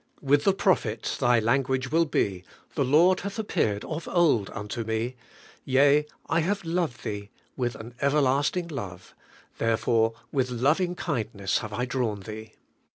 With the prophet, thy language will be, *The Lord hath appeared of old unto me: yea, I have loved thee with an everlasting love, therefore with loving kindness have I drawn thee.'